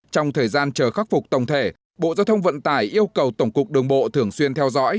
trong thời gian chờ khắc phục tổng thể bộ giao thông vận tải yêu cầu tổng cục đường bộ thường xuyên theo dõi